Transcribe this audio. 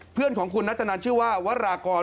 เพื่อนของคุณนัตนันชื่อว่าวรากร